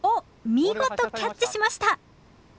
見事キャッチしました